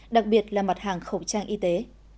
đặc biệt là mặt hàng khẩu trang y tế